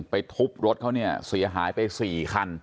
ทุบรถเขาเนี่ยเสียหายไป๔คัน